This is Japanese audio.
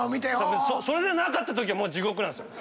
それでなかったときは地獄なんですよ。